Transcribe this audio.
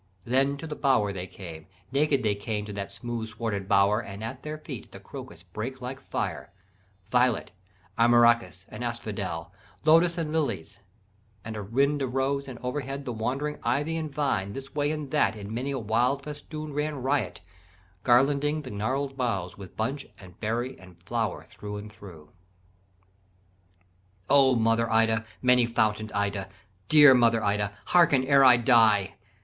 Then to the bower they came, Naked they came to that smooth swarded bower And at their feet the crocus brake like fire, Violet, amaracus, and asphodel, Lotus and lilies; and a wind arose, And overhead the wandering ivy and vine This way and that, in many a wild festoon Ran riot, garlanding the gnarled boughs With bunch and berry and flower thro' and thro'. "O mother Ida, many fountain'd Ida, Dear mother Ida, harken ere I die.